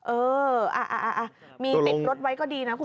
เออมีติดรถไว้ก็ดีนะคุณ